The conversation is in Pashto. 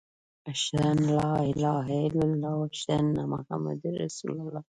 اشهد ان لا اله الا الله و اشهد ان محمد رسول الله.